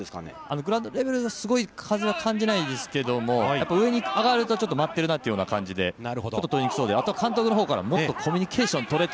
◆グラウンドレベルでは風は感じないですけども、やっぱり上に上がるとちょっと舞ってるようなという感じで、とりにくそうで、監督のほうからもっとコミュニケーションとれと。